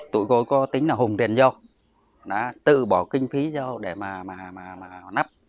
tụi tôi có tính là hùng tiền vô tự bỏ kinh phí vô để mà nắp